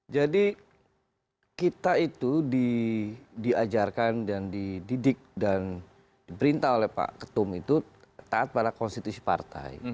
jadi kita itu diajarkan dan dididik dan diperintah oleh pak ketum itu taat pada konstitusi partai